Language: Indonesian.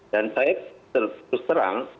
dan saya terus terang